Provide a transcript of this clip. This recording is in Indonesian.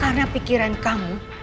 karena pikiran kamu